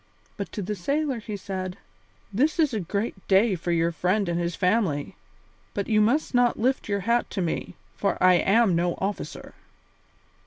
But to the sailor he said: "This is a great day for your friend and his family. But you must not lift your hat to me, for I am no officer."